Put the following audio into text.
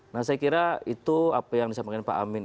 nah saya kira itu apa yang disampaikan pak amin